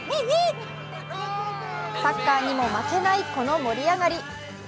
サッカーにも負けないこの盛り上がり。